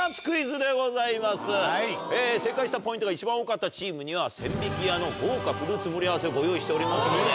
正解したポイントが一番多かったチームには千疋屋の豪華フルーツ盛り合わせをご用意しておりますので。